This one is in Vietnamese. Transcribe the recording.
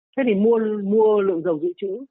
thế thì mua lượng dầu dự trữ